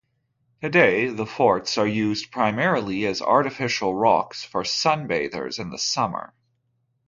Today the forts are used primarily as artificial rocks for sunbathers in the summer.